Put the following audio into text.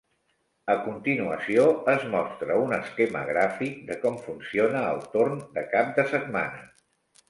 A continuació, es mostra un esquema gràfic de com funciona el torn de cap de setmana.